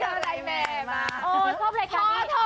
เห้อเถอเธอ